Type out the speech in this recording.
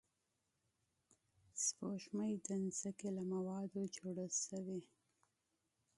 سپوږمۍ د ځمکې له موادو جوړه شوې